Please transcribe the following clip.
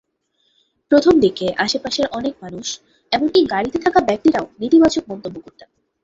প্রথম দিকে আশপাশের অনেক মানুষ, এমনকি গাড়িতে থাকা ব্যক্তিরা নেতিবাচক মন্তব্য করতেন।